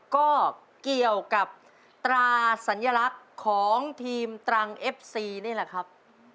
ก็เกี่ยวกับตราสัญลักษณ์ของทีมตรังเอฟซีนี่แหละครับ